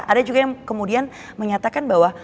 ada juga yang kemudian menyatakan bahwa